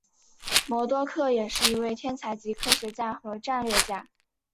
魔多客也是一名天才级科学家和战略家。